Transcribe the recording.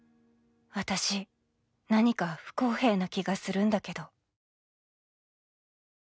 私、何か不公平な気がするんだけど」。